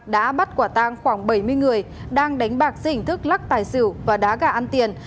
đã bắt quả tang khoảng bảy mươi người đang đánh bạc dây hình thức lắc tài xỉu và đá gà ăn tiền